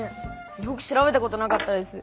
よく調べたことなかったです。